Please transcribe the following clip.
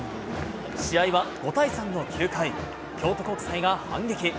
試合は５対３の９回、京都国際が反撃。